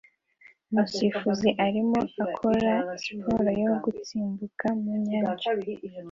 Umusifuzi arimo akora siporo yo gusimbuka mu nyanja